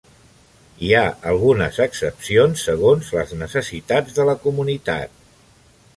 Hi ha algunes excepcions, segons les necessitats de la comunitat.